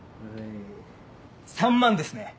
３万ですね。